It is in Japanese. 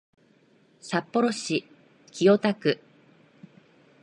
札幌市清田区